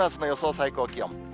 最高気温。